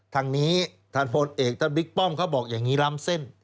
ทางนี้ท่านพลเอกท่านบิ๊กป้อมเขาบอกอย่างนี้ล้ำเส้น